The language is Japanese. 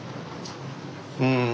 うん。